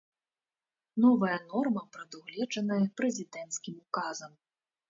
Новая норма прадугледжаная прэзідэнцкім указам.